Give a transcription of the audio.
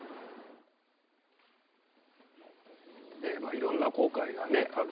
いろいろな後悔がある